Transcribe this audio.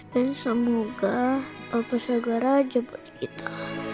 dan semoga papa segera aja buat kita